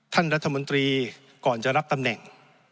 ท่านรัฐมนตรีก่อนจะรับตำแหน่ง